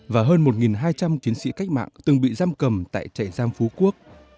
và hơn một hai trăm linh chiến sĩ cách mạng từng bị giam cầm tại trại giam phú quốc